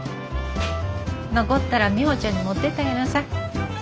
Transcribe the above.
残ったらミホちゃんに持ってってあげなさい。